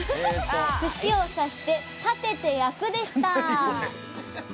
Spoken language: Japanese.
「串を刺して立てて焼く」でした。